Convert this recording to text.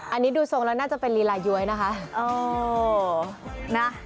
อันนี้ดูทรงแล้วน่าจะเป็นลีลาย้วยนะคะ